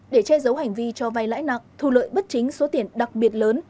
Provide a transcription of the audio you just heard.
để che giấu hành vi cho vay lãi nặng thu lợi bất chính số tiền đặc biệt lớn